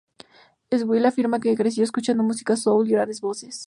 Sewell afirma que creció escuchando música "soul" y grandes voces.